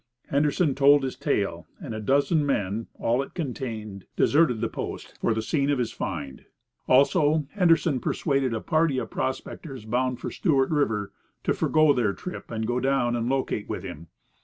Henderson told his tale, and a dozen men (all it contained) deserted the Post for the scene of his find. Also, Henderson persuaded a party of prospectors bound for Stewart River, to forgo their trip and go down and locate with him.